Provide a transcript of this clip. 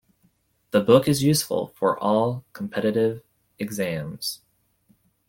The book is useful for all competitive exams.